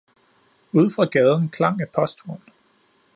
ude fra gaden klang et posthorn.